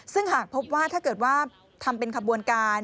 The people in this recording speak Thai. ซึ่งหากพบว่าถ้าเกิดว่าทำเป็นขบวนการ